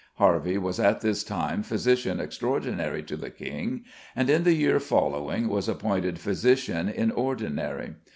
Harvey was at this time physician extraordinary to the King, and in the year following was appointed physician in ordinary.